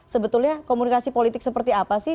sebetulnya komunikasi politik seperti apa sih